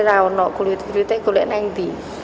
kalau tidak boleh beli duitnya boleh nanti